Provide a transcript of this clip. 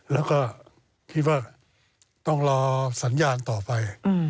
แล้วก็คิดว่าต้องรอสัญญาณต่อไป